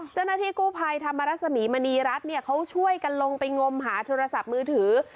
เจ้าหน้าที่กู้ภัยธรรมรสมีมณีรัฐเนี่ยเขาช่วยกันลงไปงมหาโทรศัพท์มือถือ